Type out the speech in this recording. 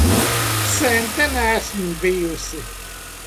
Sen te neesmu bijusi.